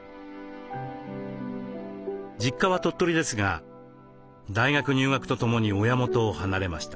実家は鳥取ですが大学入学とともに親元を離れました。